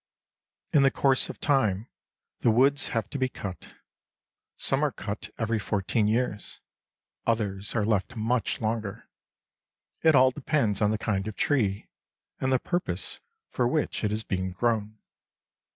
In the course of time, the woods have to be cut; some are cut every fourteen years; others are left much longer; it all depends on the kind of tree and the purpose for which it is being grown.